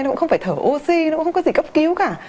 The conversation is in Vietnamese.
nó cũng không phải thở oxy nó cũng không có gì cấp cứu cả